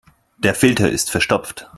Der Filter ist verstopft.